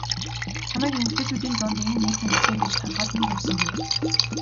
Чамайг эмэгтэйчүүдийн дунд ийм нэр хүндтэй гэж толгойд минь буусангүй.